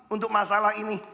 untuk masalah ini